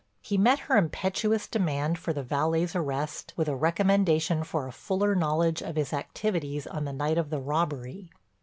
He met her impetuous demand for the valet's arrest with a recommendation for a fuller knowledge of his activities on the night of the robbery.